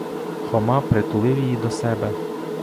Хома притулив її до себе.